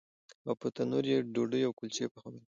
او په تنور یې ډوډۍ او کلچې پخولې.